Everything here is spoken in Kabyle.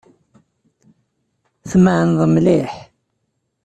Tmeεneḍ mliḥ.